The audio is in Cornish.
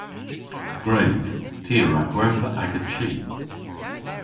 Gwredh. Ty a wra gwertha aga chi.